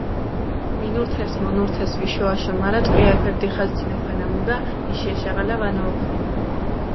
მინურთეს, მონურთეს ვიშო-აშო, მარა ტყვია ეფერი დიხას დინოხვე ნამუდა, იში ეშაღალა ვანოჸოფუე.